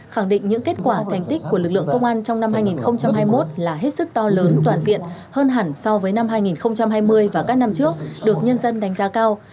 khẳng định những kết quả thành tích của lực lượng công an trong năm hai nghìn hai mươi một là hết sức to lớn toàn diện hơn hẳn so với năm hai nghìn hai mươi và các năm trước được nhân dân đánh giá cao